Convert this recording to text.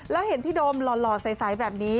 แล้วเห็นพี่โดมหล่อใสแบบนี้